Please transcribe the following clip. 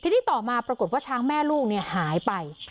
ทีนี้ต่อมาปรากฏว่าช้างแม่ลูกหายไป